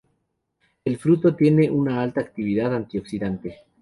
El fruto tiene una alta actividad antioxidante.